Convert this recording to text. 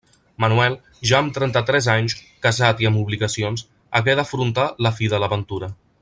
Manuel, ja amb trenta-tres anys, casat i amb obligacions, hagué d'afrontar la fi de l'aventura.